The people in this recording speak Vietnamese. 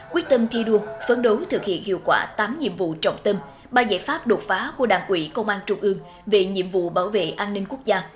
quyết tâm thi đua phấn đấu thực hiện hiệu quả tám nhiệm vụ trọng tâm ba giải pháp đột phá của đảng ủy công an trung ương về nhiệm vụ bảo vệ an ninh quốc gia